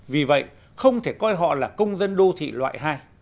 vì vậy không thể coi họ là công dân đô thị loại hai